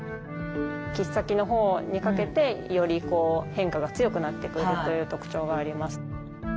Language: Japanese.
切っ先のほうにかけてよりこう変化が強くなってくるという特徴があります。